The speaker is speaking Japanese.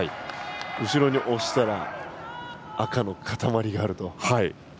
後ろに押したら赤の固まりがあると。